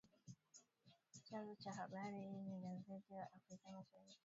Chanzo cha habari hii ni gazeti la “Afrika Mashariki.”